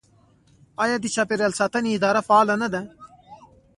آیا د چاپیریال ساتنې اداره فعاله نه ده؟